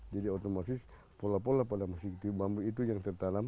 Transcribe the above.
jadi otomatis pola pola pada musik tiup bambu itu yang tertanam